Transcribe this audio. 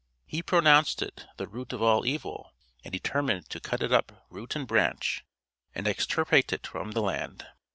He pronounced it the root of all evil, and determined to cut it up root and branch, and extirpate it from the land.